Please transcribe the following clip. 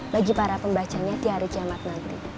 bagi para pembacanya di hari kiamat nanti